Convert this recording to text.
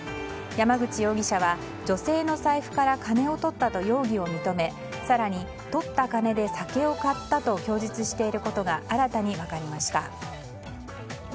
山口容疑者は女性の財布から金を取ったと容疑を認め更に、取った金で酒を買ったと供述していることが新たに分かりました。